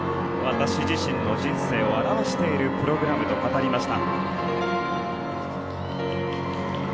私自身の人生を表しているプログラムと語りました。